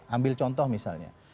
ambil contoh misalnya